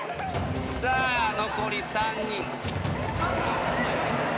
さあ残り３人。